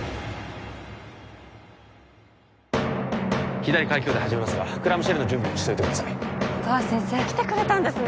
左開胸で始めますがクラムシェルの準備もしといてください音羽先生来てくれたんですね